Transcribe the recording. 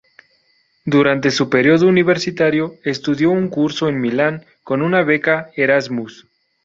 Durante su periodo universitario, estudió un curso en Milán con una beca Erasmus.